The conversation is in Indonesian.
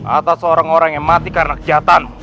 atas orang orang yang mati karena kejahatan